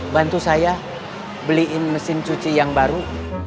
bantu saya beliin mesin cuci yang baru